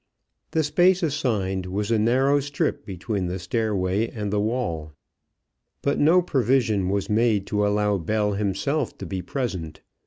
The space assigned was a narrow strip between the stairway and the wall. But no provision was made to allow Bell himself to be present.